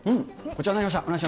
こちらになりました。